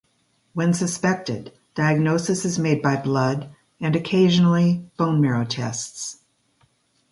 When suspected, diagnosis is made by blood and, occasionally, bone marrow tests.